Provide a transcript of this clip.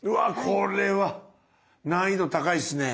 これ難易度高いですね！